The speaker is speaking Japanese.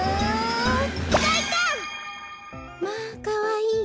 まあかわいい。